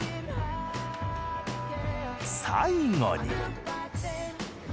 最後に。